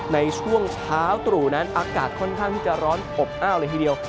ในช่วงเช้าตรู่นั้นอากาศค่อนข้างที่จะร้อนอบอ้าวเลยทีเดียว